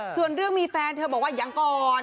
ส่วนเรื่องมีแฟนเธอบอกว่ายังก่อน